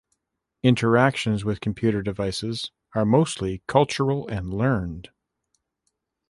Interactions with computer devices are mostly cultural and learned.